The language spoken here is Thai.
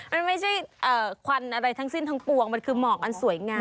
มันไม่ใช่ควันอะไรทั้งสิ้นทั้งปวงมันคือหมอกอันสวยงาม